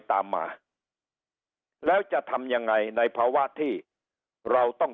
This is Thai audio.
ตามมาแล้วจะทำยังไงในภาวะที่เราต้อง